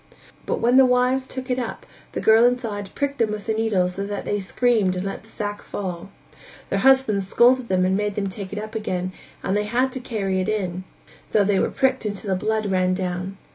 But when the wives took it up, the girl inside pricked them with the needles so that they screamed and let the sack fall. Their husbands scolded them and made them take it up again, and they had to carry it in, though they were pricked till the blood ran down.